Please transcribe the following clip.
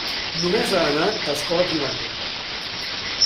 Només ha anat a escola primària.